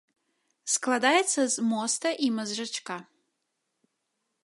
Складаецца з моста і мазжачка.